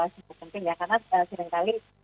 sangat penting ya karena seringkali